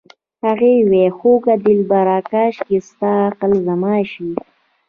هغې وې خوږه دلبره کاشکې ستا عقل زما شي